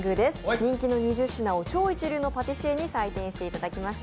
人気の２０品を超一流のパティシエに採点していただきました。